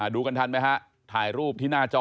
ดูกันทันไหมฮะถ่ายรูปที่หน้าจอ